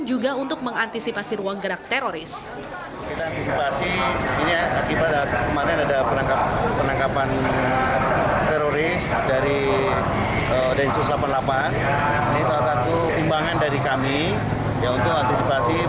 juga untuk mengantisipasi ruang gerak teroris